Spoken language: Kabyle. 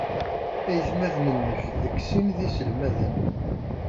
Aytmaten-nnek deg sin d iselmaden.